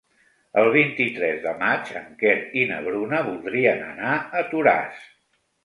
El vint-i-tres de maig en Quer i na Bruna voldrien anar a Toràs.